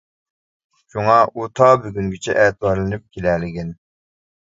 شۇڭا ئۇ تا بۈگۈنگىچە ئەتىۋارلىنىپ كېلەلىگەن.